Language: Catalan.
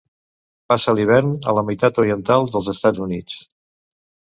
Passa l'hivern a la meitat oriental dels Estats Units.